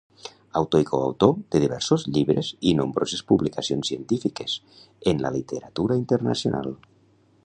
Autor i coautor de diversos llibres i nombroses publicacions científiques en la literatura internacional.